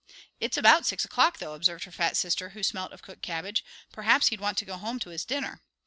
"It's about six o'clock, though," observed her fat sister, who smelt of cooked cabbage. "Perhaps he'd want to go home to his dinner."